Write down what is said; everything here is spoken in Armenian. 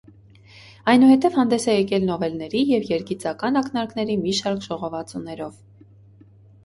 Այնուհետև հանդես է եկել նովելների և երգիծական ակնարկների մի շարք ժողովածուներով։